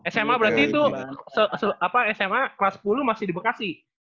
sma berarti itu sma kelas sepuluh masih di bekasi